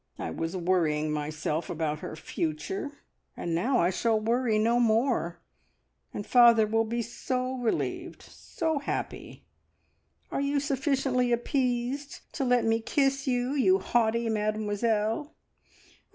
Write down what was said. I was worrying myself about her future, and now I shall worry no more, and father will be so relieved, so happy! Are you sufficiently appeased to let me kiss you, you haughty Mademoiselle?"